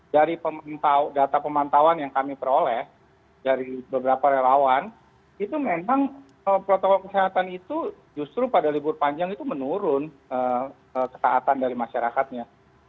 dari data pemantauan yang kami peroleh dari beberapa relawan itu memang protokol kesehatan itu justru pada libur panjang itu menurun kesehatan dari masyarakatnya